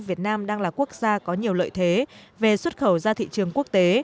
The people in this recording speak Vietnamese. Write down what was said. việt nam đang là quốc gia có nhiều lợi thế về xuất khẩu ra thị trường quốc tế